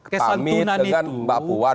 pamit dengan mbak puwan